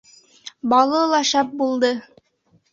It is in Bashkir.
Балы ла шәп булды.